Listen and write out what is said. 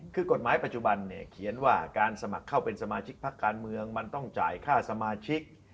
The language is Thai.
คือกฎหมายปัจจุบันเนี่ยเขียนว่าการสมัครเข้าเป็นสมาชิกพักการเมืองมันต้องจ่ายค่าสมาชิก